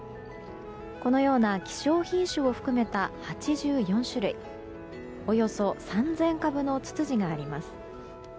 このような希少品種を含めた８４種類、およそ３０００株のツツジがあります。